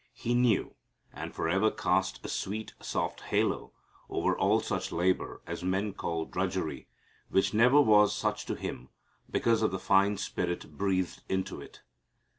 He knew, and forever cast a sweet soft halo over all such labor as men call drudgery, which never was such to Him because of the fine spirit breathed into it.